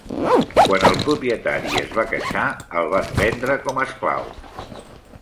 Quan el propietari es va queixar, el van vendre com a esclau.